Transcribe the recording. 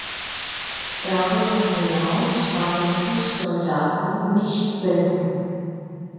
Darüber hinaus waren Fußsoldaten nicht selten.